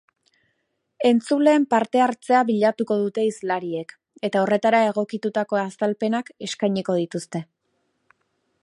Entzuleen parte-hartzea bilatuko dute hizlariek eta horretara egokitutako azalpenak eskainiko dituzte.